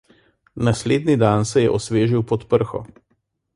Naslednji dan se je osvežil pod prho.